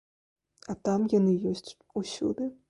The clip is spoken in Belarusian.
А там яны ёсць усюды.